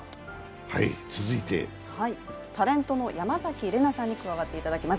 タレントの山崎怜奈さんに加わっていただきます。